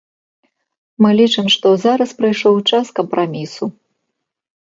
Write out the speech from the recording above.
Мы лічым, што зараз прыйшоў час кампрамісу.